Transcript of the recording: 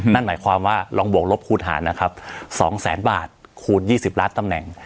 นั่นหมายความว่าลองบวกลบคูณหารนะครับ๒แสนบาทคูณ๒๐ล้านตำแหน่ง